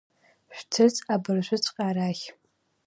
Шәҭыҵ абыржәыҵәҟьа арахь!